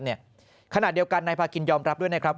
ขณะเดียวกันนายพากินยอมรับด้วยนะครับ